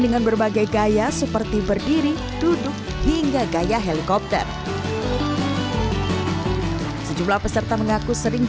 dengan berbagai gaya seperti berdiri duduk hingga gaya helikopter sejumlah peserta mengaku sering